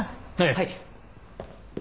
はい！